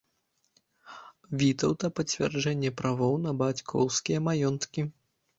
Вітаўта пацвярджэнне правоў на бацькоўскія маёнткі.